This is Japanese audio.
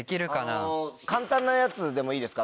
あの簡単なやつでもいいですか？